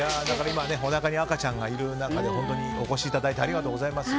今、おなかに赤ちゃんがいる中でお越しいただいてありがとうございます。